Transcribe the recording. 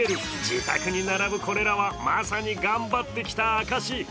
自宅に並ぶこれらはまさに頑張ってきた証し。